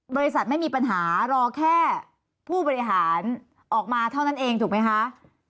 บริษัทไม่มีปัญหารอแค่ผู้บริหารออกมาเท่านั้นเองถูกไหมคะ